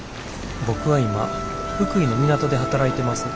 「僕は今福井の港で働いてます」。